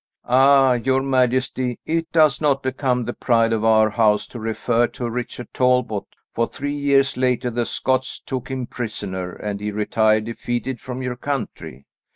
"Ah, your majesty, it does not become the pride of our house to refer to Richard Talbot, for three years later the Scots took him prisoner, and he retired defeated from your country."